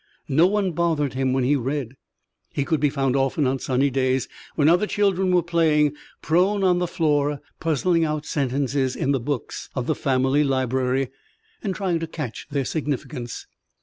No one bothered him when he read. He could be found often on sunny days, when other children were playing, prone on the floor, puzzling out sentences in the books of the family library and trying to catch their significance.